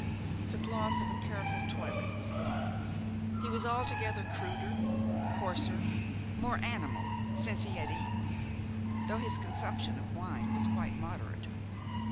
The gloss of a careful toilet was gone. He was altogether cruder, coarser, more animal, since he had eaten, though his consumption of wine was quite moderate.